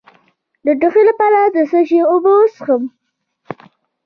د ټوخي لپاره د څه شي اوبه وڅښم؟